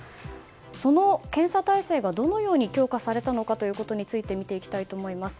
その検査体制がどのように強化されたのかということについて見ていきたいと思います。